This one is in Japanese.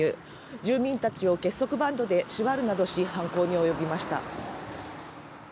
住民たちを結束バンドで縛るなどし、犯行に及びました。